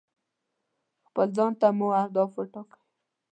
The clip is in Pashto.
خپل ځان ته مو اهداف ټاکئ.